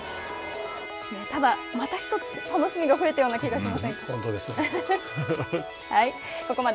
ただ、また一つ楽しみが増えたような気がしませんか。